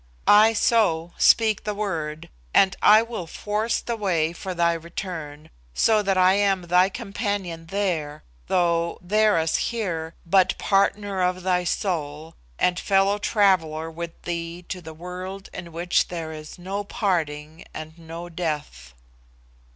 I so, speak the word, and I will force the way for thy return, so that I am thy companion there, though, there as here, but partner of thy soul, and fellow traveller with thee to the world in which there is no parting and no death."